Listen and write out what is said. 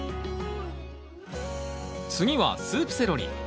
次はスープセロリ。